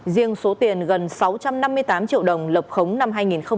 riêng số tiền gần sáu trăm năm mươi tám triệu đồng lập khống năm hai nghìn một mươi bảy